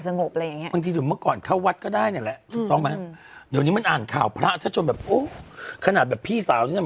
จะอยู่ที่เมื่อก่อนเข้าวัดก็ได้ไงถูกต้องมั้ย